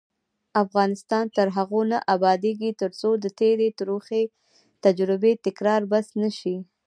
افغانستان تر هغو نه ابادیږي، ترڅو د تېرې تروخې تجربې تکرار بس نه شي.